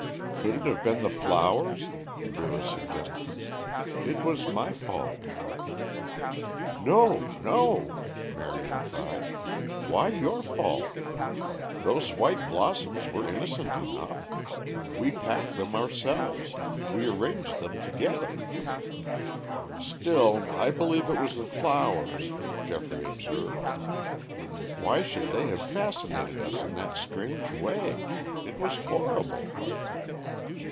"Could it have been the flowers?" Vera suggested. "It was my fault." "No, no," Marion cried. "Why your fault? Those white blossoms were innocent enough; we packed them ourselves, we arranged them together." "Still, I believe it was the flowers," Geoffrey observed. "Why should they have fascinated us in that strange way? It was horrible!"